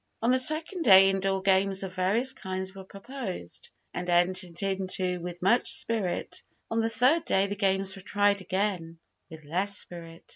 On the second day, indoor games of various kinds were proposed and entered into with much spirit. On the third day the games were tried again, with less spirit.